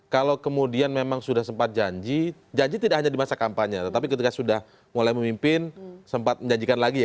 kalau kemudian memang sudah sempat janji janji tidak hanya di masa kampanye tetapi ketika sudah mulai memimpin sempat menjanjikan lagi ya